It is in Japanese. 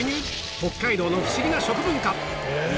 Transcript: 北海道のフシギな食文化